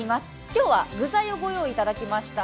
今日は具材をご用意いただきました。